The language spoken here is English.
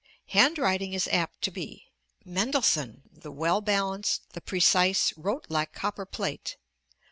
Handwriting is apt to be. Mendelssohn, the well balanced, the precise, wrote like copper plate.